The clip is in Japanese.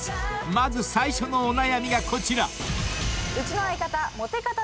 まず最初のお悩みがこちら］